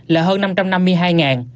là hơn năm trăm năm mươi hai